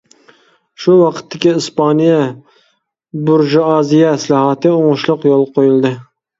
شۇ ۋاقىتتىكى ئىسپانىيە بۇرژۇئازىيە ئىسلاھاتى ئوڭۇشلۇق يولغا قويۇلدى.